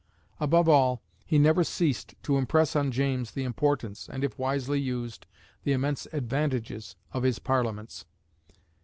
Above all, he never ceased to impress on James the importance, and, if wisely used, the immense advantages, of his Parliaments.